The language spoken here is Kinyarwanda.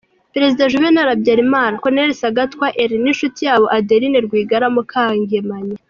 Perezida Juvenali Habyarimana, Col. Sagatwa Elie n’inshuti yabo Adeline Rwigara Mukangemanyi